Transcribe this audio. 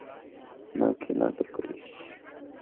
না কি নাটক করিস?